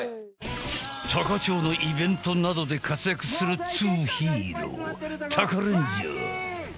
多可町のイベントなどで活躍するっつうヒーロータカレンジャー。